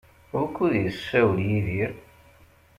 Wukud yessawel Yidir?